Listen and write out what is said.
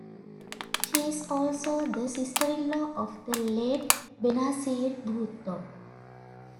She is also the sister-in-law of the late Benazir Bhutto.